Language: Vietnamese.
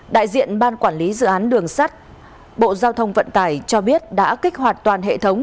đại diện ban quản lý dự án đường sắt bộ giao thông vận tải cho biết đã kích hoạt toàn hệ thống